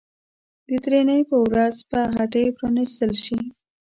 د درېنۍ په ورځ به هټۍ پرانيستل شي.